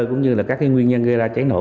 cũng như là các nguyên nhân gây ra cháy nổ